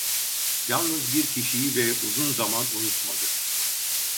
Yalnız bir kişiyi ve uzun zaman unutmadı: